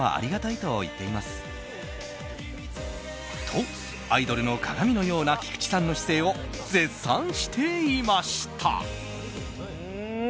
と、アイドルのかがみのような菊池さんの姿勢を絶賛していました。